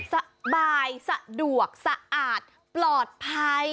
สบายสะดวกสะอาดปลอดภัย